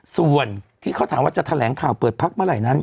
ส่วนที่เขาถามว่าจะแถลงข่าวเปิดพักเมื่อไหร่นั้น